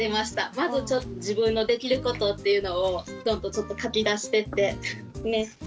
まずちょっと自分のできることっていうのを書き出してってね？